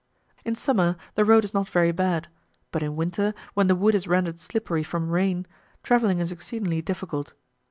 In summer the road is not very bad; but in winter, when the wood is rendered slippery from rain, travelling is exceedingly difficult.